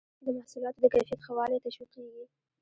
د محصولاتو د کیفیت ښه والی تشویقیږي.